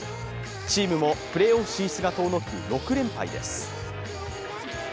チームもプレーオフ進出が遠のく６連敗です。